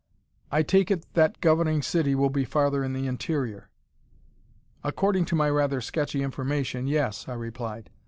"I take it that governing city will be farther in the interior." "According to my rather sketchy information, yes." I replied.